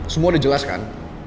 semua udah jelas kan